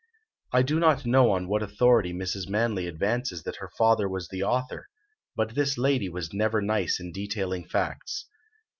I do not know on what authority Mrs. Manley advances that her father was the author; but this lady was never nice in detailing facts.